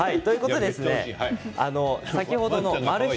先ほどのマル秘